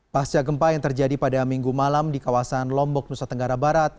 pasca gempa yang terjadi pada minggu malam di kawasan lombok nusa tenggara barat